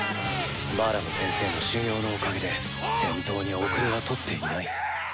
バラム先生の修業のおかげで戦闘に後れは取っていない。